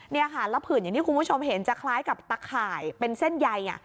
นี่ค่ะแล้วผื่นอย่างที่คุณผู้ชมเห็นจะคล้ายกับตะข่ายเป็นเส้นใย